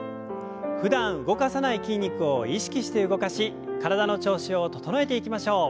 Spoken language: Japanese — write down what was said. ふだん動かさない筋肉を意識して動かし体の調子を整えていきましょう。